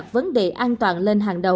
bộ y tế luôn đặt vấn đề an toàn lên hàng đầu